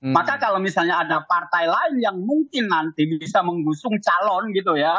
maka kalau misalnya ada partai lain yang mungkin nanti bisa mengusung calon gitu ya